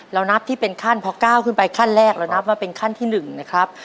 นับที่เป็นขั้นพอก้าวขึ้นไปขั้นแรกเรานับว่าเป็นขั้นที่๑นะครับ